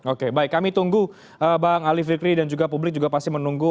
oke baik kami tunggu bang ali fikri dan juga publik juga pasti menunggu